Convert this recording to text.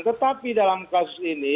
tetapi dalam kasus ini